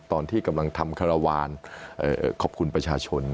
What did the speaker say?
ตอนที่กำลังทำคารวาลขอบคุณประชาชน